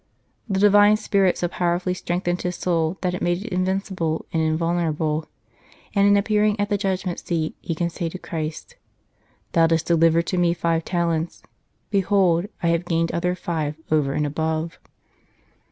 ... The Divine Spirit so powerfully strengthened his soul that it made it invincible and invulnerable. And in appearing at the Judgment Seat he can say to Christ : Lord, 236 Ecce venio Thou didst deliver to me five talents ; behold, I have gained other five over and above.